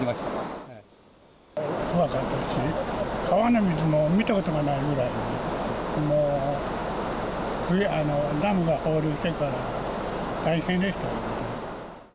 怖かったし、川の水も見たことがないぐらい、ダムを放流してから、大変でした。